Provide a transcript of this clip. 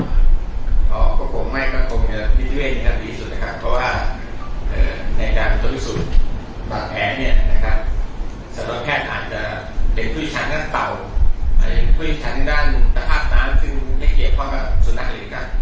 สัตวนแพทย์อาจจะเป็นผู้ชั้นนั้นเต่าหรือผู้ชั้นด้านสภาพนั้นซึ่งได้เขียนพร้อมกับส่วนนักฐานอีกครับ